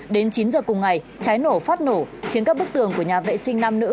đến chín giờ cùng ngày trái nổ phát nổ khiến các bức tường của nhà vệ sinh nam nữ